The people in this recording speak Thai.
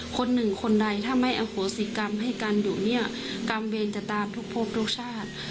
คนหนึ่งคนใดถ้าไม่อโหสิกรรมให้กันอยู่เนี่ยกรรมเวรจะตามทุกพบทุกชาติ